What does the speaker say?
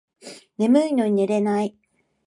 眠いのに寝れない